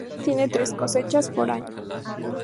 Bermudas tiene tres cosechas por año.